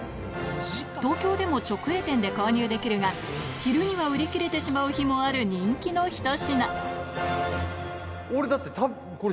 東京でも直営店で購入できるが昼には売り切れてしまう日もある人気の１品俺だってこれ。